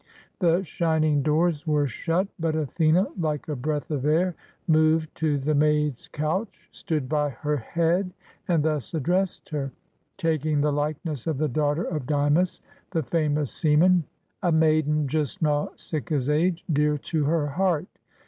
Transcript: The shining doors were shut; but Athene, like a breath of air, moved to the maid's 23 GREECE couch, stood by her head, and thus addressed her, — taking the likeness of the daughter of Dymas, the famous seaman, a maiden just Nausicaa's age, dear to her heart.